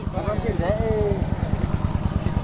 gak kaya sih deh